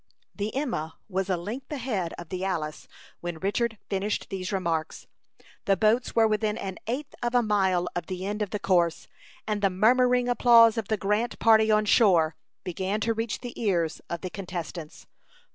The Emma was a length ahead of the Alice when Richard finished these remarks. The boats were within an eighth of a mile of the end of the course, and the murmuring applause of the Grant party on shore began to reach the ears of the contestants.